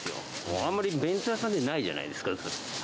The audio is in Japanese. あまり弁当屋さんでないじゃないですか。